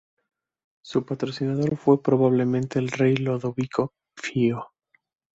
Su patrocinador fue probablemente el rey Ludovico Pío.